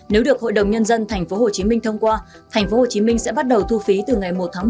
nếu được hội đồng nhân dân tp hcm thông qua tp hcm sẽ bắt đầu thu phí từ ngày một tháng một năm hai nghìn hai mươi bốn